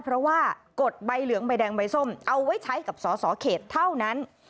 เพราะว่ากดใบเหลืองใบแดงใบส้มเอาไว้ใช้กับสสเขตเท่านั้น